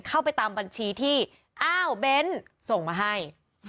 เข้าไปตามบัญชีที่อ้าวเบ้นส่งมาให้